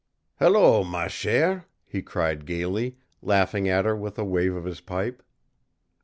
"Hello, ma chère," he cried gaily, laughing at her with a wave of his pipe.